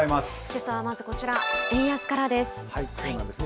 けさはまずこちら、円安からです。